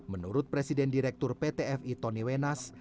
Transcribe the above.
menurut presiden direktur pt fi tony wenas